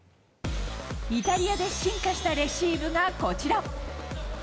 イタリアで進化したレシーブがこちら。